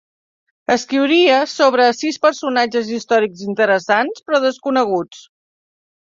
Escriuria sobre sis personatges històrics interessants però desconeguts.